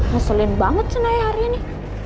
ngeselin banget si naya hari ini